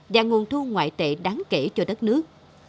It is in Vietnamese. và nguồn thu ngoại tệ đáng kể cho đất nước